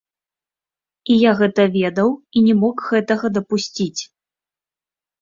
І я гэта ведаў і не мог гэтага дапусціць.